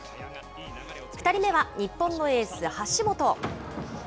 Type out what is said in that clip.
２人目は日本のエース、橋本。